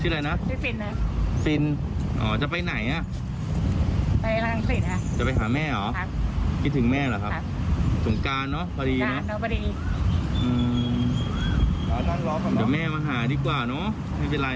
เดี๋ยวแม่มาหาดีกว่าเนอะ